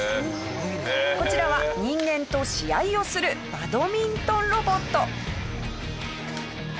こちらは人間と試合をするバドミントンロボット。